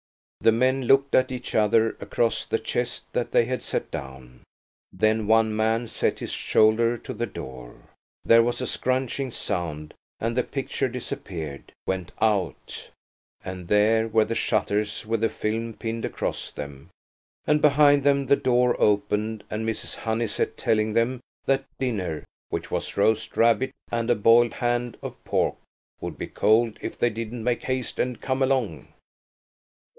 The men looked at each other across the chest that they had set down. Then one man set his shoulder to the door. There was a scrunching sound and the picture disappeared–went out; and there were the shutters with the film pinned across them, and behind them the door, open, and Mrs. Honeysett telling them that dinner–which was roast rabbit and a boiled hand of pork–would be cold if they didn't make haste and come along.